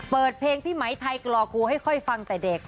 เปิดเพลงพี่ไหมไทยกรอกูให้ค่อยฟังแต่เด็ก